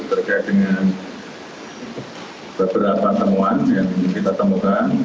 terkait dengan beberapa temuan yang kita temukan